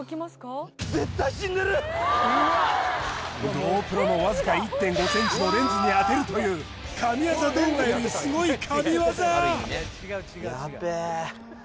ＧｏＰｒｏのわずか１．５ｃｍのレンズに当てるという神業動画よりすごい神業！